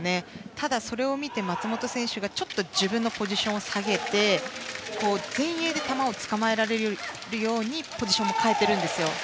ただ、それを見て松本選手がちょっと自分のポジションを下げて前衛で球をつかまえられるようにポジションも変えているんですよ。